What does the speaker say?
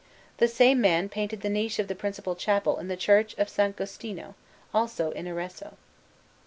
The same man painted the niche of the principal chapel in the Church of S. Giustino, also in Arezzo.